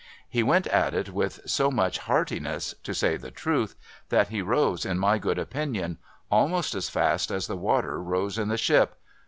He went at it with so much heartiness, to say the truth, that he rose in mv good opinion almost as fast as the water rose in the ship.